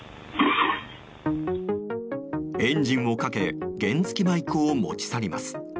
エンジンをかけ原付きバイクを持ち去ります。